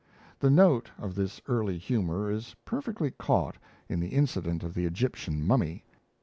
The note of this early humour is perfectly caught in the incident of the Egyptian mummy.